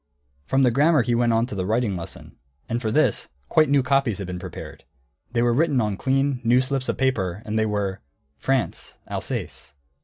From the grammar he went on to the writing lesson. And for this, quite new copies had been prepared. They were written on clean, new slips of paper, and they were: France: Alsace.